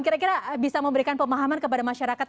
kira kira bisa memberikan pemahaman kepada masyarakat